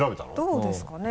どうですかね？